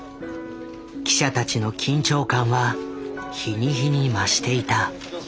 記者たちの緊張感は日に日に増していた。